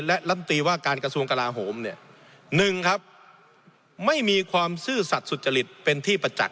และรัฐมนตรีว่าการกระทรวงกลาโหม๑ไม่มีความซื่อสัตว์สุจริตเป็นที่ประจักษ์